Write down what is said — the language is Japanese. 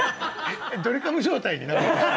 ドリカム状態になるってこと？